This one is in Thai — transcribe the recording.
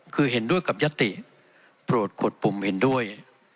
คือเห็นด้วยกับยติโปรดขวดปุ่มเห็นด้วย